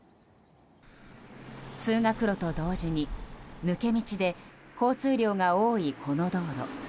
通学路と同時に抜け道で交通量が多いこの道路。